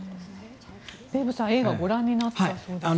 デーブさん、映画ご覧になったそうですね。